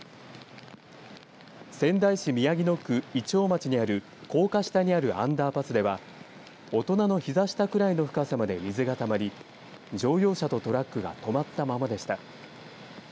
仙台市宮城野区銀杏町にある高架下にあるアンダーパスでは大人の膝下くらいの深さまで水がたまり乗用車とトラックが止まったままでした。